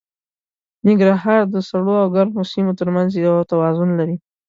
ننګرهار د سړو او ګرمو سیمو تر منځ یو توازن لري.